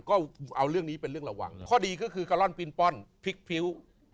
ก็เอาเรื่องนี้เป็นเรื่องระวังข้อดีก็คือกะล่อนปินป้อนพลิกพิ้ว